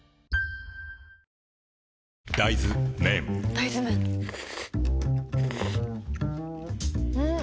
大豆麺ん？